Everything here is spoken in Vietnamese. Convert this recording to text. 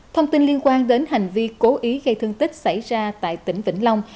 thông tin liên quan đến hành vi cố ý gây thương tích xảy ra tại tỉnh vĩnh long